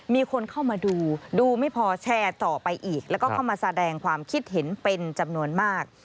มีคนเข้ามาดูดูไม่พอแชร์ต่อไปอีกแล้วก็เข้ามาแสดงความคิดเห็นเป็นจำนวนมาก